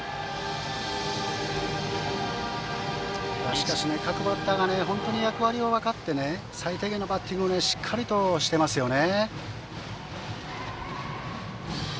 しかし、各バッターが本当に役割を分かって最低限のバッティングをしっかりとしていますね。